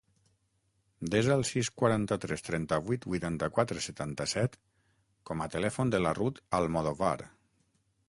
Desa el sis, quaranta-tres, trenta-vuit, vuitanta-quatre, setanta-set com a telèfon de la Ruth Almodovar.